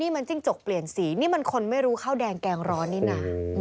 มันจิ้งจกเปลี่ยนสีนี่มันคนไม่รู้ข้าวแดงแกงร้อนนี่นะ